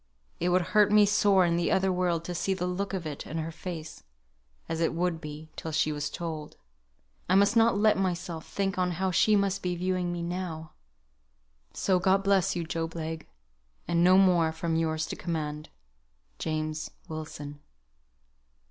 It would hurt me sore in the other world to see the look of it in her face, as it would be, till she was told. I must not let myself think on how she must be viewing me now. So God bless you, Job Legh; and no more from Yours to command, JAMES WILSON.